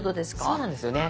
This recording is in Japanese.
そうなんですよね。